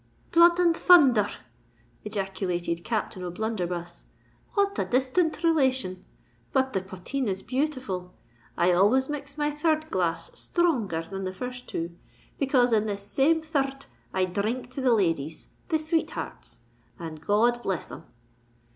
"Blood and thunther r!" ejaculated Captain O'Blunderbuss, "what a disthant relation! But the potheen is beautiful. I always mix my third glass sthronger than the two first, because in this same thir rd I dhrink to the ladies—the sweet hearts—and God bless 'em!"